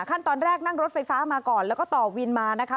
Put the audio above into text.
ขั้นตอนแรกนั่งรถไฟฟ้ามาก่อนแล้วก็ต่อวินมานะคะ